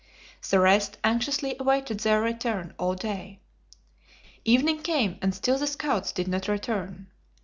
The rest anxiously awaited their return all day. Evening came, and still the scouts did not return.